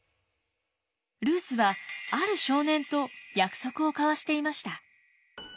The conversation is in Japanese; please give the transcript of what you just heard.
ルースはある少年と約束を交わしていました。